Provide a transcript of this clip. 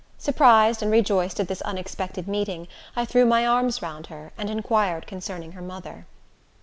Surprised and rejoiced at this unexpected meeting, I threw my arms round her, and inquired concerning her mother.